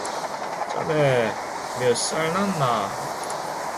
"자네 몇 살 났나?"